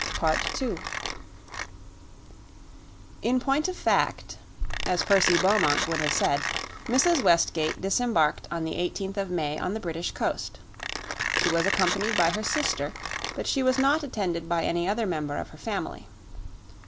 PART II In point of fact, as Percy Beaumont would have said, Mrs. Westgate disembarked on the 18th of May on the British coast. She was accompanied by her sister, but she was not attended by any other member of her family.